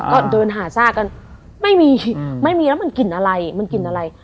ก็เดินหาซากกันไม่มีไม่มีแล้วมันกลิ่นอะไรมันกลิ่นอะไร